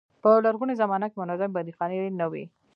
په لرغونې زمانه کې منظمې بندیخانې نه وې.